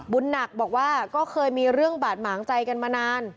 หนักบอกว่าก็เคยมีเรื่องบาดหมางใจกันมานาน